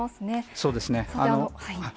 そうですね。